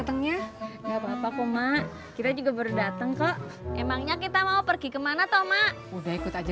datangnya enggak apa apa kok mak kita juga baru datang kok emangnya kita mau pergi kemana toma udah ikut aja